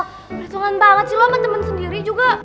berhitungan banget sih lo sama temen sendiri juga